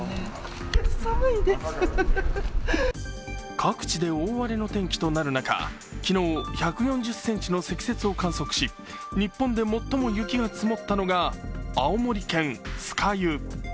各地で大荒れの天気となる中昨日１４０ｃｍの積雪を観測し日本で最も雪が積もったのが青森県酸ヶ湯。